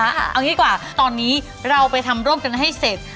เอานิดกว่าตอนนี้เราไปทำโรปกันให้เรียบกว่า